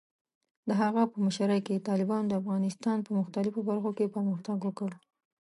د هغه په مشرۍ کې، طالبانو د افغانستان په مختلفو برخو کې پرمختګ وکړ.